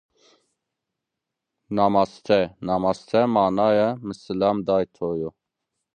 Namaste, namas te manay "mı sılam day to'yo"